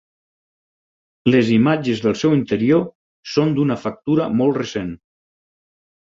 Les imatges del seu interior són d'una factura molt recent.